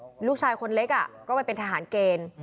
ลูกชายคนเล็กก็ไปเป็นทหารเกณฑ์